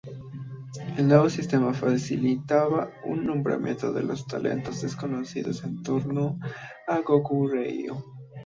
El nuevo sistema facilitaba un nombramiento de los talentos desconocidos en torno a Goguryeo.